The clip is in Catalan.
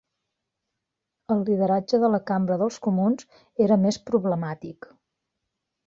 El lideratge a la Cambra dels Comuns era més problemàtic.